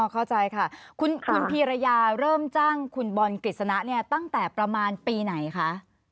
เข้าใจค่ะคุณพีรยาเริ่มจ้างคุณบอลกฤษณะเนี่ยตั้งแต่ประมาณปีไหนคะ